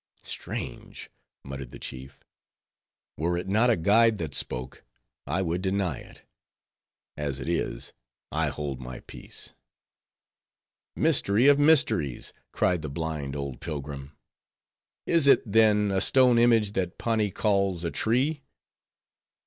"Strange," muttered the chief; "were it not a guide that spoke, I would deny it. As it is, I hold my peace." "Mystery of mysteries!" cried the blind old pilgrim; "is it, then, a stone image that Pani calls a tree?